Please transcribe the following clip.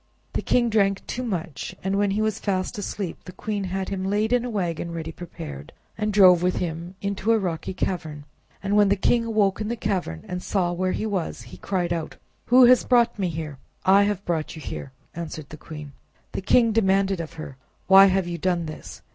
The king drank too much, and when he was fast asleep, the queen had him laid in a wagon ready prepared, and drove with him into a rocky cavern. And when the king awoke in the cavern, and saw where he was, he cried out— "Who has brought me here?" "I have brought you here," answered the queen. The king demanded of her: "Why have you done this?